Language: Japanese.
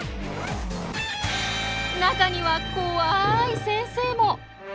中にはこわい先生も。